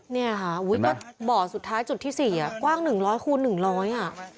นี่ค่ะบ่อสุดท้ายจุดที่สี่กว้างหนึ่งร้อยคูณหนึ่งร้อย